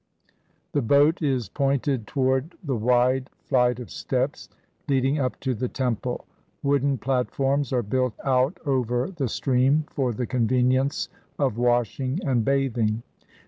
The boat is pointed toward the wide flight of steps lead ing up to the temple. Wooden platforms are built out over the stream for the convenience of washing and bathing.